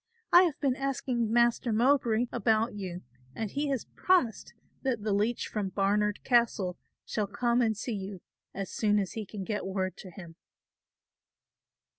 I have been asking Master Mowbray about you and he has promised that the leech from Barnard Castle shall come and see you as soon as he can get word to him."